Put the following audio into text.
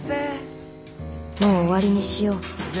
もう終わりにしよう。